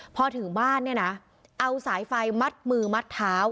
พอถึงบ้านเนี่ยนะเอาสายไฟมัดมือมัดเท้า